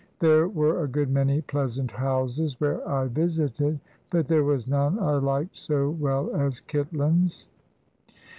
There were a good many pleasant houses where I visited, but there was none I liked so well as Kitlands.